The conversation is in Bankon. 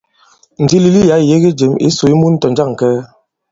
Ndilili yǎ ì yege jěm. Ǐ sǔs mun tɔ̀ jȃŋ kɛɛ.